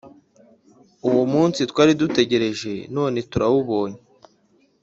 uwo munsi twari dutegereje none turawubonye